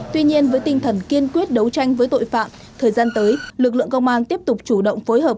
tuy nhiên với tinh thần kiên quyết đấu tranh với tội phạm thời gian tới lực lượng công an tiếp tục chủ động phối hợp